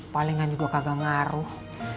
palingan juga kagak ngaruh